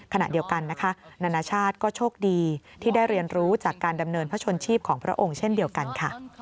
ขณะเดียวกันนะคะนานาชาติก็โชคดีที่ได้เรียนรู้จากการดำเนินพระชนชีพของพระองค์เช่นเดียวกันค่ะ